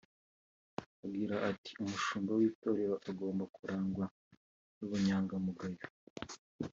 Agira ati “Umushumba w’itorero agomba kurangwa n’ubunyangamugayo